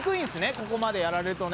ここまでやられるとね